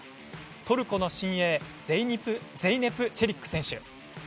トルコの新鋭ゼイネプ・チェリック選手。